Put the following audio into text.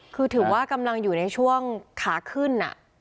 คือถือว่ากำลังอยู่ในช่วงขาขึ้น